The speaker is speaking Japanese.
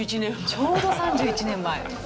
ちょうど３１年前。